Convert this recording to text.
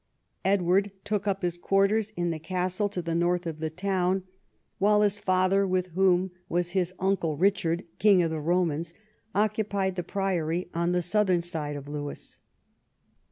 Edward took up his quarters in the castle to the north of the town, while his father, 36 EDWARD I chap. with whom was his uncle Richard, King of the Romans, occupied the priory, on the southern side of Lewes.